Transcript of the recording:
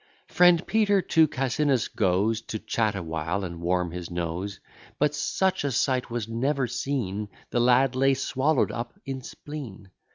Friend Peter to Cassinus goes, To chat a while, and warm his nose: But such a sight was never seen, The lad lay swallow'd up in spleen.